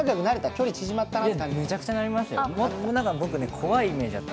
距離縮まった？